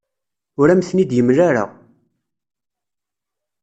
Ur am-ten-id-yemla ara.